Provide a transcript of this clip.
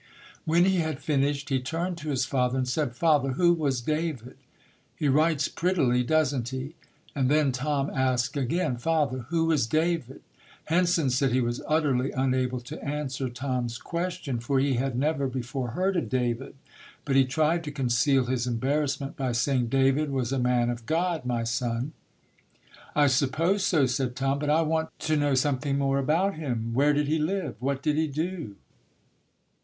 When he had finished, he turned to his father and said, "Father, who was David? He writes prettily, doesn't he?" And then Tom asked again, "Father, who was David?" Henson said he was utterly unable to answer Tom's question, for he had never before heard of David, but he tried to conceal his embarrassment by saying, "David was a man of God, my son". "I suppose so", said Tom, "but I want to know something more about him. Where did he live? What did he do?"